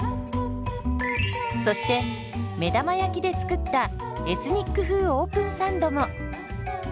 そして目玉焼きで作ったエスニック風オープンサンドも。